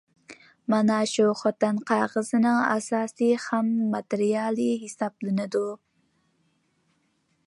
مانا شۇ خوتەن قەغىزىنىڭ ئاساسىي خام ماتېرىيالى ھېسابلىنىدۇ.